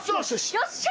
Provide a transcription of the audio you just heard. よっしゃ！